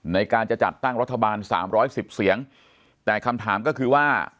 ในการจะจัดตั้งรัฐบาล๓๑๐เสียงแต่คำถามก็คือว่า